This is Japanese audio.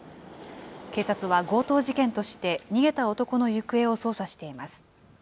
警察は強盗事件として、逃げた男の行方を捜査しています。